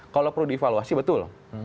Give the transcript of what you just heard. kalau perlu dievaluasi betul